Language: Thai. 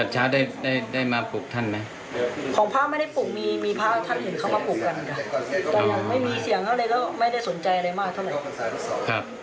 น่าจะเสียชีวิตจากการถูกไฟฟ้าดูดครับ